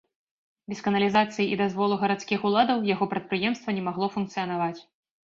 Без каналізацыі і дазволу гарадскіх уладаў яго прадпрыемства не магло функцыянаваць.